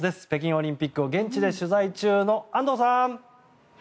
北京オリンピックを現地で取材中の安藤さん！